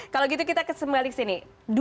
kalau gitu kita kembali ke sini